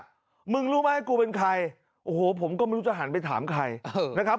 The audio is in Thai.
มึงรู้ไหมกูเป็นใครโอ้โหผมก็ไม่รู้จะหันไปถามใครนะครับ